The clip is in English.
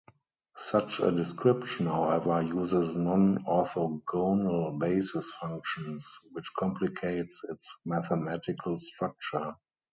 Such a description, however, uses non-orthogonal basis functions, which complicates its mathematical structure.